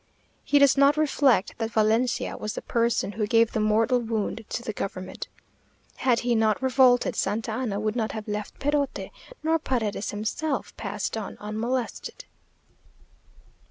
He does not reflect that Valencia was the person who gave the mortal wound to the government. Had he not revolted, Santa Anna would not have left Perote, nor Paredes himself passed on unmolested....